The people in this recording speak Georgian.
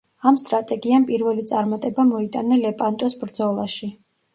ამ სტრატეგიამ პირველი წარმატება მოიტანა ლეპანტოს ბრძოლაში.